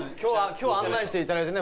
今日案内していただいてね